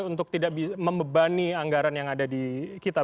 untuk tidak membebani anggaran yang ada di kita